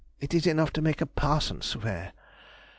It is enough to make a parson swear!